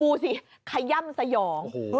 พูดสิใครย่ำสยอง